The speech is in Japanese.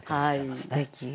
すてき。